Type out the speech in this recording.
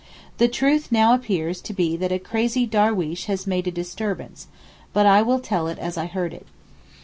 The truth now appears to be that a crazy darweesh has made a disturbance—but I will tell it as I heard it.